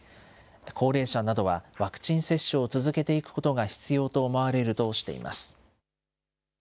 高齢者などはワクチン接種を続けていくことが必要と思われるとしています。